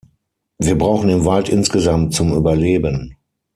Wir brauchen den Wald insgesamt zum Überleben.